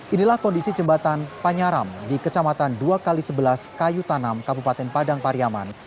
inilah kondisi jembatan panyaram di kecamatan dua x sebelas kayu tanam kabupaten padang pariaman